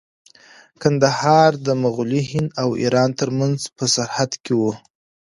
کندهار د مغلي هند او ایران ترمنځ په سرحد کې و.